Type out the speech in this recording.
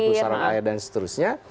usaran air dan seterusnya